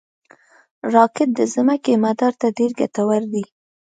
راکټ د ځمکې مدار ته ډېر ګټور دي